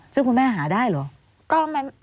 ซึ่งคุณแม่หาได้เหรอ